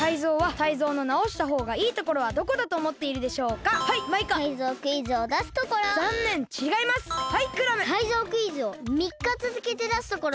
タイゾウクイズをみっかつづけてだすところ。